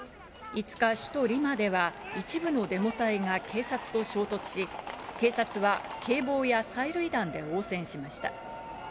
５日、首都リマでは一部のデモ隊の警察と衝突し、警察は警棒や催涙弾で応戦しました。